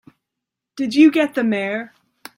Did you get the Mayor?